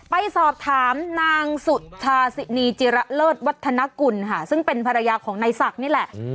ไปสอบถามนางสุชาสินีจิระเลิศวัฒนกุลค่ะซึ่งเป็นภรรยาของนายศักดิ์นี่แหละ